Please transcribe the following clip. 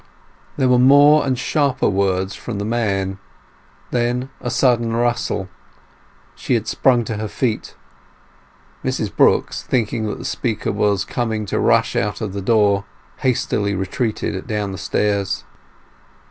There were more and sharper words from the man; then a sudden rustle; she had sprung to her feet. Mrs Brooks, thinking that the speaker was coming to rush out of the door, hastily retreated down the stairs.